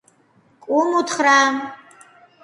კუმ უთხრა: